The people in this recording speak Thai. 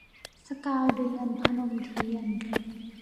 สกาวเดือน - พนมเทียน